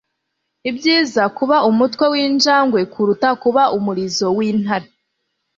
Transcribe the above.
ibyiza kuba umutwe w'injangwe kuruta umurizo w'intare